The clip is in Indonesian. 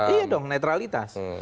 iya dong neutralitas